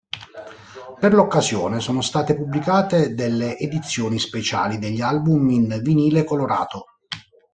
Per l'occasione sono state pubblicate delle edizioni speciali degli album in vinile colorato.